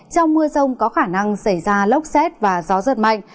trong mưa rông có khả năng xảy ra lốc xét và gió giật mạnh